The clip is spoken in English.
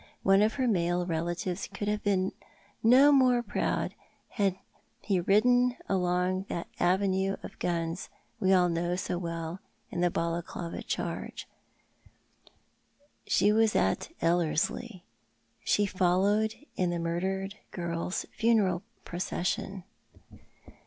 One of her male relatives could have been no more proud had he ridden along that avenue of guns we all know so well in the Balaclava charge. She was at Ellerslie. She followed in the murdered girl's funeral procession.